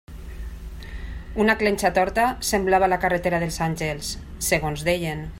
Una clenxa torta semblava la carretera dels Àngels, segons deien.